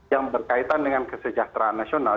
yang berkaitan dengan kesejahteraan nasional